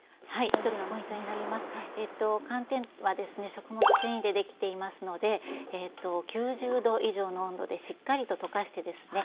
食物繊維でできていますので９０℃以上の温度でしっかりと溶かしてですね